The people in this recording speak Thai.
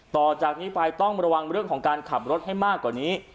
ต่อจากนี้ไปต้องระวังเรื่องของการขับรถให้มากกว่านี้